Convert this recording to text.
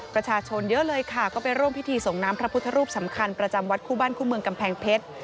ประชาชนเยอะเลยค่ะก็ไปร่วมพิธีส่งน้ำพระพุทธรูปสำคัญประจำวัดคู่บ้านคู่เมืองกำแพงเพชร